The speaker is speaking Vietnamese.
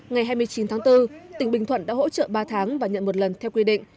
ngày hai mươi chín tháng bốn tỉnh bình thuận đã hỗ trợ ba tháng và nhận một lần theo quy định